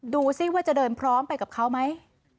ดูสิว่าจะเดินพร้อมไปกับเขาไหม